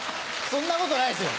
そんなことないですよ。